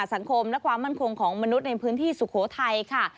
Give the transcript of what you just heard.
สังคมและความมั่นคงของมนุษย์ในพื้นที่สุโขทัยค่ะ